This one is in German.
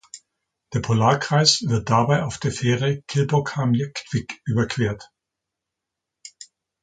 Der Polarkreis wird dabei auf der Fähre Kilboghamn-Jektvik überquert.